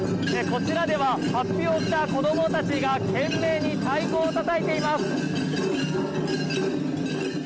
こちらでは法被を着た子どもたちが懸命に太鼓をたたいています。